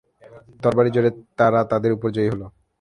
তরবারির জোরে তারা তাদের উপর জয়ী হল।